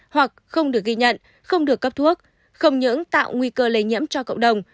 hoặc không được ghi nhận không được cấp thuốc không những tạo nguy cơ lây nhiễm cho cộng đồng